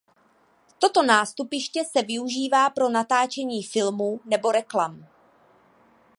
Toto nástupiště se využívá pro natáčení filmů nebo reklam.